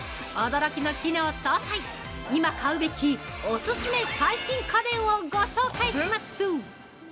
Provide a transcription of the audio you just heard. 驚きの機能搭載、今買うべき、オススメ最新家電をご紹介します！